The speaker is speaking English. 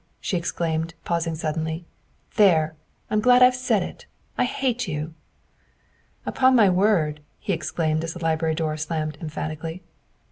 she exclaimed, pausing suddenly; "there! I 'm glad I 've said it. I hate you!" " Upon my word," he exclaimed as the library door slammed emphatically.